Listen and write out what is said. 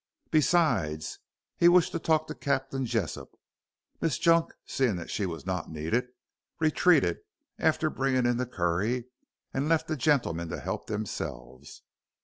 Besides, he wished to talk to Captain Jessop. Miss Junk, seeing that she was not needed, retreated, after bringing in the curry, and left the gentlemen to help themselves.